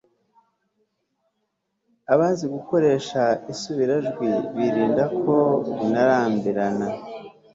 abazi gukoresha isubirajwi birinda ko rinarambirana